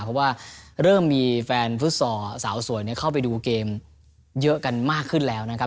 เพราะว่าเริ่มมีแฟนฟุตซอลสาวสวยเข้าไปดูเกมเยอะกันมากขึ้นแล้วนะครับ